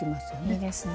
いいですね。